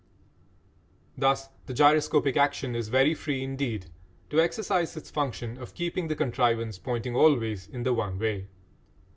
Thus the gyroscopic action is very free indeed to exercise its function of keeping the contrivance pointing always in the one way.